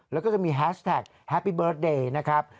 แล้วก็จะมีแฮชแท็กแฮปปี้เบิร์ตเดย์นะครับ